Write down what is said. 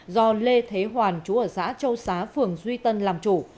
do lê thế hoàn chú ở xã châu xá phường duy tân làm chủ